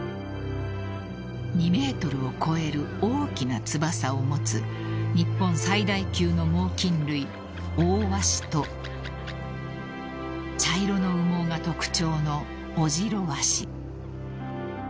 ［２ｍを超える大きな翼を持つ日本最大級の猛禽類オオワシと茶色の羽毛が特徴のオジロワシ］